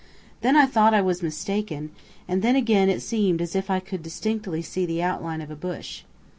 Then I thought I was mistaken, and then again it seemed as if I could distinctly see the outline of a bush.